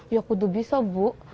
ya aku tuh bisa bu